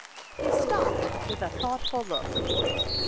He stopped with a thoughtful look.